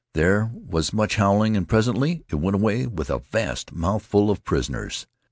There was much howling, and presently it went away with a vast mouthful of prisoners.